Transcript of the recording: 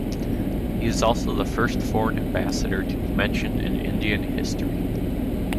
He is also the first foreign Ambassador to be mentioned in Indian history.